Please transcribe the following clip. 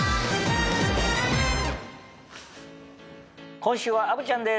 今週は虻ちゃんです